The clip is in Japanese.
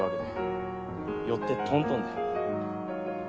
よってトントンだ。